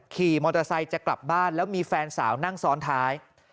ขี่มอเตอร์ไซค์จะกลับบ้านแล้วมีแฟนสาวนั่งซ้อนท้าย